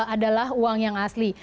adalah uang yang asli